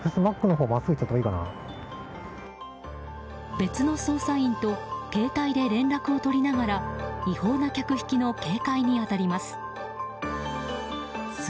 別の捜査員と携帯で連絡を取りながら違法な客引きの警戒に当たります。